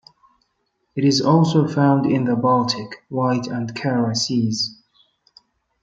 It is also found in the Baltic, White, and Kara Seas.